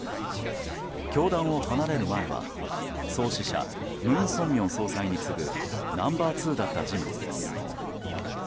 教団を離れる前は創始者・文鮮明総裁に次ぐナンバー２だった人物です。